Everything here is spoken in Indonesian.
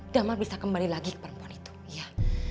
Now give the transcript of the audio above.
dama bisa kembali lagi ke perempuan itu ya